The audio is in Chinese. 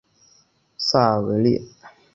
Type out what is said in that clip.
塞尔维利。